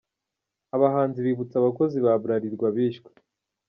Abahanzi bibutse abakozi ba Bralirwa bishwe .